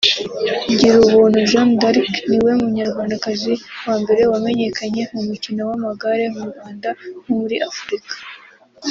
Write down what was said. Girubuntu Jeanne D’arc niwe Munyarwandakazi wa mbere wamenyekanye mu mukino w’amagare mu Rwanda no muri Afurika